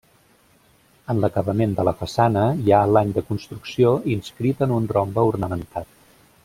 En l'acabament de façana hi ha l'any de construcció inscrit en un rombe ornamentat.